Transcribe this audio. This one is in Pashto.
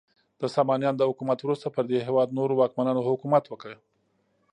د سامانیانو د حکومت وروسته پر دې هیواد نورو واکمنانو حکومت وکړ.